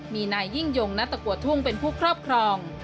มีนายยิ่งยงณตะกัวทุ่งเป็นผู้ครอบครอง